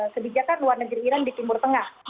kebijakan luar negeri iran di timur tengah